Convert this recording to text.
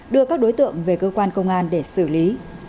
đưa các đối tượng về cơ quan công an để xử lý